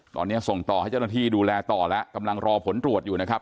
ตอนนี้ส่งต่อให้เจ้าหน้าที่ดูแลต่อแล้วกำลังรอผลตรวจอยู่นะครับ